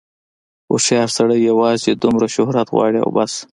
هوښیار سړی یوازې دومره شهرت غواړي او بس.